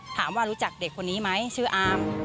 รู้จักเด็กคนนี้ไหมชื่ออาม